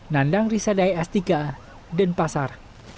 nandang risadai astika denpasar